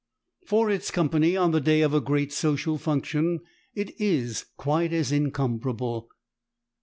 For its company on the day of a great social function it is quite as incomparable.